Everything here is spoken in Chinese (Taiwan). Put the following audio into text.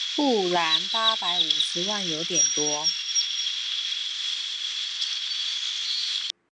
不然八百五十萬有點多